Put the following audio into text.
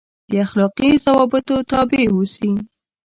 دا اخلاقي ضوابطو تابع اوسي.